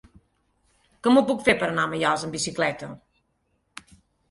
Com ho puc fer per anar a Maials amb bicicleta?